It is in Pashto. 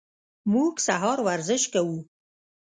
موږ سهار ورزش کوو.